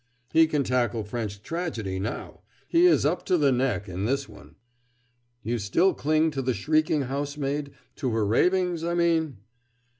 "He can tackle French tragedy now he is up to the neck in this one." "You still cling to the shrieking housemaid to her ravings, I mean?"